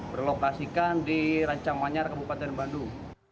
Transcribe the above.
berlokasikan di rancang manyar kabupaten bandung